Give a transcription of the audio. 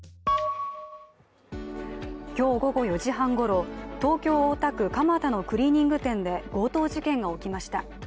今日午後４時半ごろ、東京・大田区蒲田のクリーニング店で強盗事件が起きました。